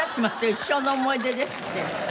一生の思い出ですって。